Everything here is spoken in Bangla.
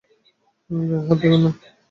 গায়ে হাত দেবে না।